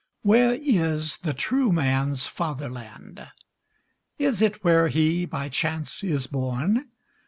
Where is the true man's fatherland? Is it where he by chance is born?